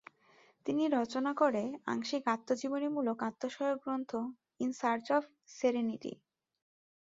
তিনি রচনা করে আংশিক-আত্মজীবনীমূলক আত্ম-সহায়ক গ্রন্থ ইন সার্চ অফ সেরেনিটি।